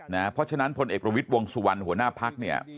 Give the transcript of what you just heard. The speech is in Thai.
เพราะฉะนั้นพลเอกประวิทย์วงสุวรรณหัวหน้าพักเนี่ย